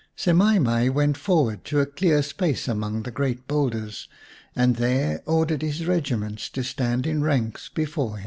Semai mai went forward to a clear space among the great boulders, and there ordered his regiments to stand in ranks before him.